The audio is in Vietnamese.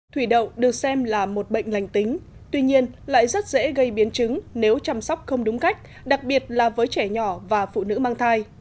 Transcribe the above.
thủy đậu được xem là một bệnh lành tính tuy nhiên lại rất dễ gây biến chứng nếu chăm sóc không đúng cách đặc biệt là với trẻ nhỏ và phụ nữ mang thai